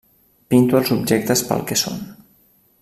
Pinto els objectes pel que són.